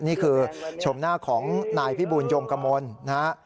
นี่คือชมหน้าของนายพิบูลยงกมลนะฮะ